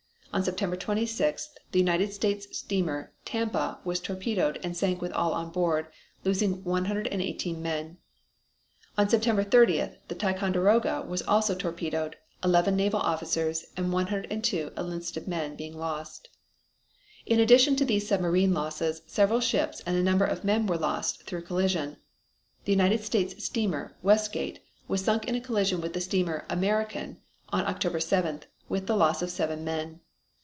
On September 26th the United States steamer Tampa was torpedoed and sank with all on board, losing 118 men. On September 30th the Ticonderoga was also torpedoed, eleven naval officers and 102 enlisted men being lost. In addition to these submarine losses several ships and a number of men were lost through collision. The United States steamer Westgate was sunk in a collision with the steamer American on October 7th, with the loss of seven men.